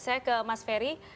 saya ke mas ferry